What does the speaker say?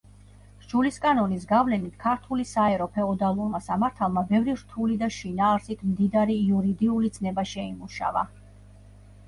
სჯულისკანონის გავლენით ქართული საერო ფეოდალურმა სამართალმა ბევრი რთული და შინაარსით მდიდარი იურიდიული ცნება შეიმუშავა.